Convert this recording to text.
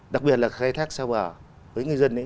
đặc biệt là khai thác xa bờ với người dân